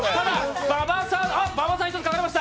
馬場さん、１つかかりました。